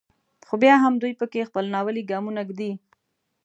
خو بیا هم دوی په کې خپل ناولي ګامونه ږدي.